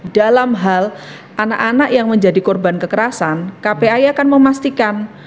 dalam hal anak anak yang menjadi korban kekerasan kpi akan memastikan